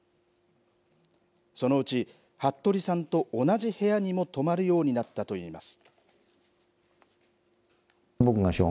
そのうち、服部さんと同じ部屋にも泊まるようになったといいます。